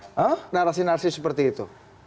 intinya apa narasi narasi seperti itu